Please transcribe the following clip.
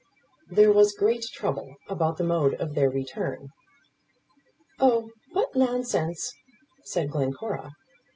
There was great trouble about the mode of their return. "Oh, what nonsense," said Glencora.